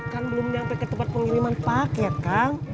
kan belum nyampe ke tempat pengiriman paket kang